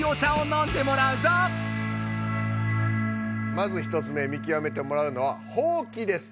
まず１つ目見極めてもらうのは「ほうき」です。